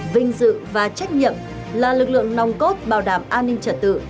vinh dự và trách nhiệm là lực lượng nòng cốt bảo đảm an ninh trật tự